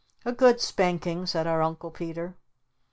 "A good spanking," said our Uncle Peter.